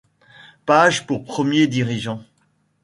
Page pour premier dirigeant.